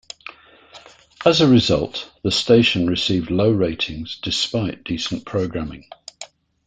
As a result, the station received low ratings despite decent programming.